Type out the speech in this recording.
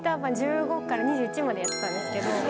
１５から２１までやってたんですけど。